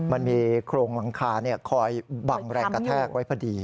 มันมีโครงหลังคาคอยบังแรงกระแทกไว้พอดี